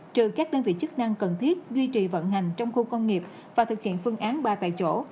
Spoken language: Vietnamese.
trừ các đơn vị chức năng cần thiết duy trì vận hành trong khu công nghiệp và thực hiện phương án ba tại chỗ